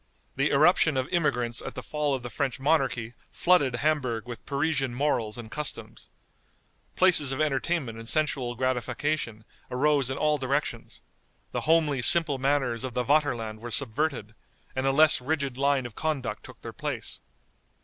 The irruption of immigrants at the fall of the French monarchy flooded Hamburg with Parisian morals and customs. Places of entertainment and sensual gratification arose in all directions, the homely, simple manners of the Vaterland were subverted, and a less rigid line of conduct took their place.